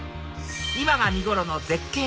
今が見頃の絶景